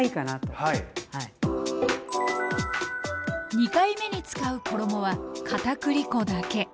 ２回目に使う衣はかたくり粉だけ。